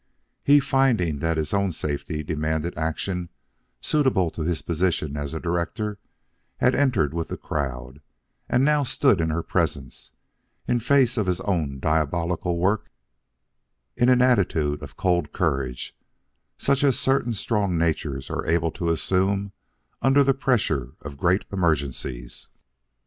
He, finding that his own safety demanded action suitable to his position as a director, had entered with the crowd and now stood in her presence, in face of his own diabolical work, in an attitude of cold courage such as certain strong natures are able to assume under the pressure of great emergencies.